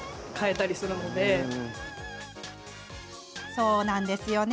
そうなんですよね。